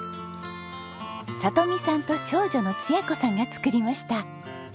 里美さんと長女の彩子さんが作りました。